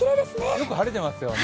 よく晴れていますよね。